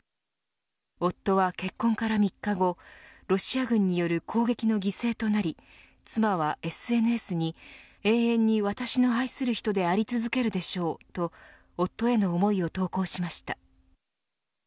夫は結婚から３日後ロシア軍による攻撃の犠牲となり妻はＳＮＳに永遠に私の愛する人であり続けるでしょうと夫への思いを投稿しました。